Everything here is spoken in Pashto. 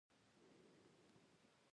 غرونه مه نړوه.